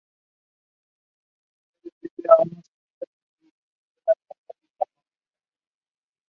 Se ubica frente a la terminal Tres Cruces.